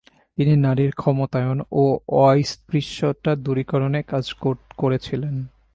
তিনি নারীর ক্ষমতায়ন ও অস্পৃশ্যতা দূরীকরণে কাজ করেছিলেন।